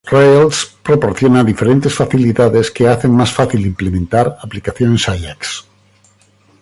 Rails proporciona diferentes facilidades que hacen más fácil implementar aplicaciones Ajax.